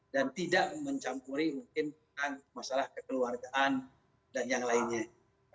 dan tidak mencampuri mungkin dengan masalah kekeluargaan dan yang lainnya